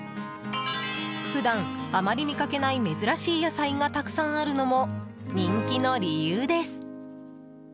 普段あまり見かけない珍しい野菜がたくさんあるのも人気の理由です。